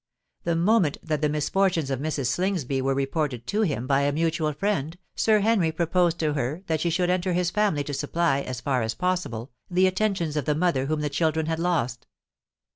The moment that the misfortunes of Mrs. Slingsby were reported to him by a mutual friend, Sir Henry proposed to her that she should enter his family to supply, as far as possible, the attentions of the mother whom the children had lost.